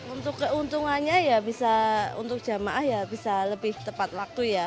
untuk keuntungannya ya bisa untuk jamaah ya bisa lebih tepat waktu ya